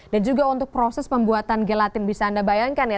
dan juga untuk proses pembuatan gelatin bisa anda bayangkan ya